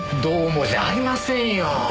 どうもじゃありませんよ！